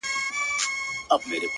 څوك مي دي په زړه باندي لاس نه وهي _